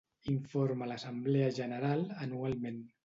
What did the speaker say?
Informa l'assemblea general anualment.